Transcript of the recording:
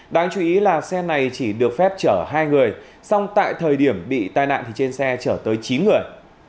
đáng chú ý là xe này chỉ được phép chở hai người song tại thời điểm bị tai nạn thì trên xe chở tới chín người